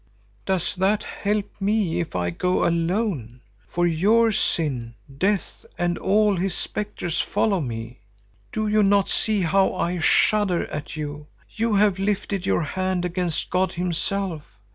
"Does that help me if I go alone? For your sin, Death and all his spectres follow me. Do you not see how I shudder at you? You have lifted your hand against God himself.